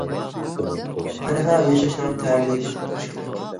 تەنھا ياشاشنىڭ تەمىنى تېتىپ بېقىش كېرەك.